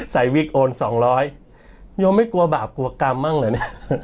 วิกโอนสองร้อยโยมไม่กลัวบาปกลัวกรรมบ้างเหรอเนี่ย